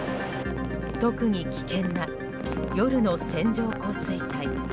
特に危険な夜の線状降水帯。